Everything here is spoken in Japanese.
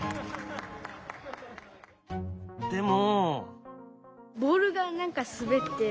でも？